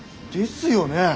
ですよね？